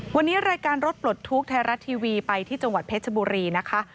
วันนี้รายการรถปลดทุกข์ไทยรัฐทีวีไปที่จังหวัดเพชรบุรีนะคะ